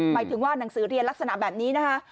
หมายถึงว่าหนังสือเรียนลักษณะแบบนี้นะคะ